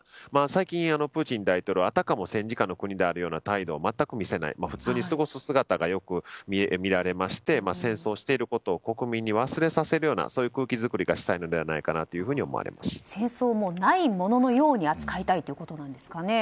最近プーチン大統領はあたかも戦時下の国であるような態度を全く見せない普通に過ごす姿を見せていまして戦争を国民に忘れさせるような空気作りにしたいのではないかと戦争をないもののように扱いたいということですかね。